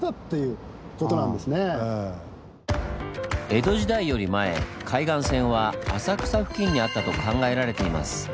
江戸時代より前海岸線は浅草付近にあったと考えられています。